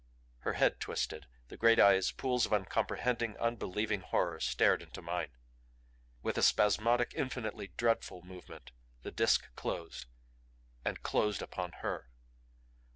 Her head twisted; the great eyes, pools of uncomprehending, unbelieving horror, stared into mine. With a spasmodic, infinitely dreadful movement the Disk closed And closed upon her!